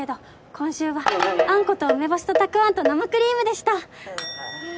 今週はあんこと梅干しとたくあんと生クリームでした。